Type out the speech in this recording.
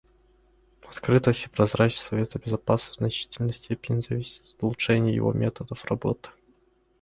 Открытость и прозрачность Совета Безопасности в значительной степени зависят от улучшения его методов работы.